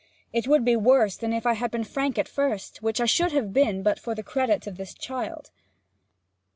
It would be worse than if I had been frank at first, which I should have been but for the credit of this child.'